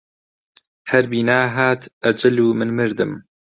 هەر بینا هات ئەجەل و من مردم